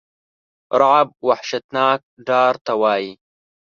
رعب وحشتناک ډار ته وایی.